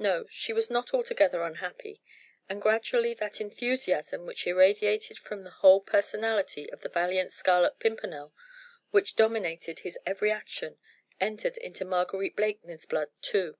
No! she was not altogether unhappy: and gradually that enthusiasm which irradiated from the whole personality of the valiant Scarlet Pimpernel, which dominated his every action, entered into Marguerite Blakeney's blood too.